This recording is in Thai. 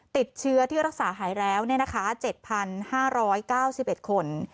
ติดเชื้อที่รักษาหายแล้ว๗๕๙๑คน